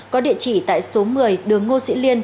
có địa chỉ tại số một mươi đường ngô sĩ liên